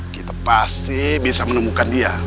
kita pasti bisa menemukan dia